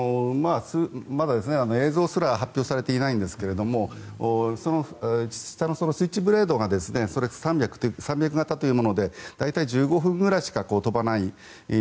まだ映像すら発表されてないんですが下のスイッチブレードが３００型というもので大体１５分ぐらいしか飛ばない。